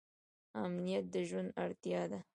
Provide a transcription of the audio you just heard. امنیت د ژوند اړتیا ده